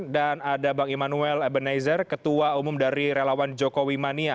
dan ada bang immanuel ebenezer ketua umum dari relawan jokowi mania